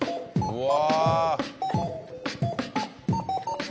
うわ！